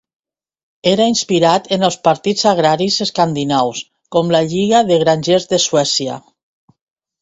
Era inspirat en els partits agraris escandinaus com la Lliga de Grangers de Suècia.